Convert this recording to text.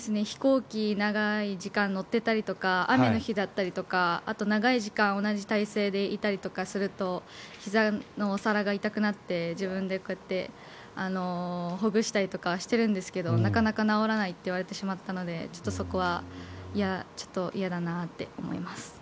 飛行機に長い時間乗っていたりとか雨の日だったりとかあと、長い時間同じ体勢でいたりとかするとひざのお皿が痛くなって、自分でほぐしたりとかしてるんですけどなかなか治らないと言われてしまったのでちょっとそこは嫌だなって思います。